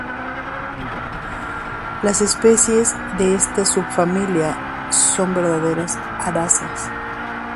Las especies de esta subfamilia son verdaderas aráceas.